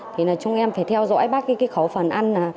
thì là chúng em phải theo dõi bác cái khẩu phần ăn